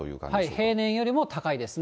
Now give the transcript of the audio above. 平年よりも高いですね。